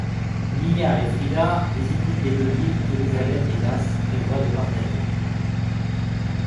Mia et Frida visitent toutes les deux l'île qu’Elisabeth et Lasse prévoient de partager.